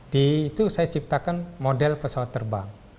di itu saya ciptakan model pesawat terbang